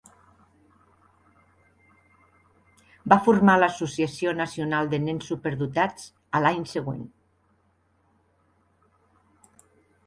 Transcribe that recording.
Va formar l'associació nacional de nens superdotats a l'any següent.